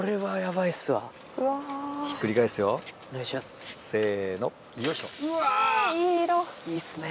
いいっすね。